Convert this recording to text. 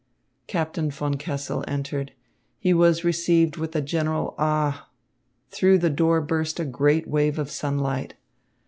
Captain von Kessel entered. He was received with a general "Ah!" Through the door burst a great wave of sunlight.